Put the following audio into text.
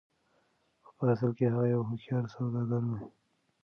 خو په اصل کې هغه يو هوښيار سوداګر و.